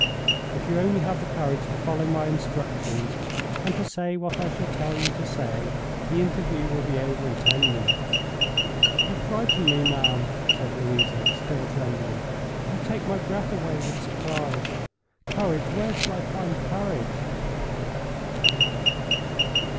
If you only have the courage to follow my instructions, and to say what I shall tell you to say, the interview will be over in ten minutes." "You frighten me, ma'am," said Louisa, still trembling. "You take my breath away with surprise. Courage! Where shall I find courage?"